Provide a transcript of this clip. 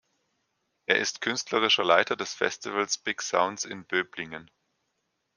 Er ist künstlerischer Leiter des Festivals „Big Sounds“ in Böblingen.